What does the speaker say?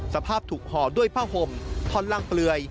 สภาพถูกห่อด้วยผ้าห่มท่อนล่างเปลือย